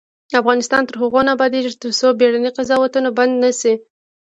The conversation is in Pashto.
افغانستان تر هغو نه ابادیږي، ترڅو بیړني قضاوتونه بند نشي.